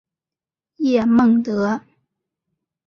叶梦得。